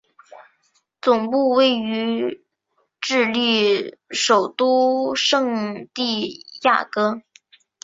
总部位于智利首都圣地亚哥。